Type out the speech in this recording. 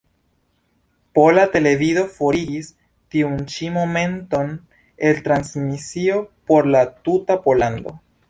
Pola Televido forigis tiun ĉi momenton el transmisio por la tuta Pollando.